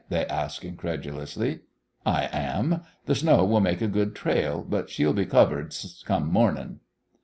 they asked, incredulously. "I am. Th' snow will make a good trail, but she'll be covered come mornin'."